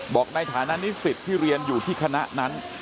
บอกในฐานะนิสิตที่เรียนอยู่ที่คณะนั้น